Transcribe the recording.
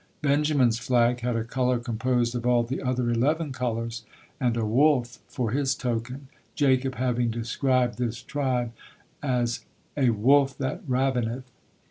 Benjamin's flag had a color composed of all the other eleven colors, and a wolf for his token, Jacob having described this tribe a "a wolf that ravineth."